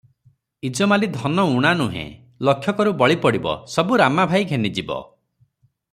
ଇଜମାଲୀ ଧନ ଊଣା ନୁହେ, ଲକ୍ଷକରୁ ବଳି ପଡିବ, ସବୁ ରାମା ଭାଇ ଘେନି ଯିବ ।